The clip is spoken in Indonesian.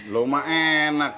lo mah enak